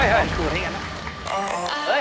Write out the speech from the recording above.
โอ้โฮโอ้โฮโอ้โฮโอ้โฮ